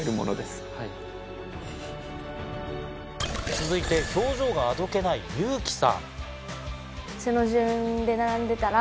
続いて表情があどけないユウキさん。